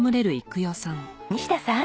西田さん。